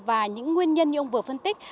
và những nguyên nhân như ông vừa phân tích